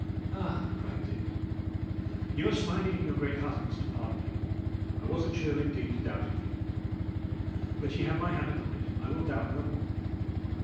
"Ah," cried Dick, "ye must find it in your great heartedness to pardon me! I was a churl, indeed, to doubt of you. But ye have my hand upon it; I will doubt no more."